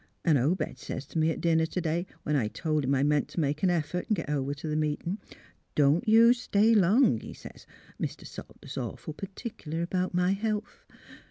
An' Obed sez t' me at dinner t' day when I told him I meant t' make an effort an' get over t' the meeting, ' Don't you stay long,' he sez. Mr. Salter's awful pertic'lar about my health.